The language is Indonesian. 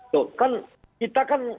tuh kan kita kan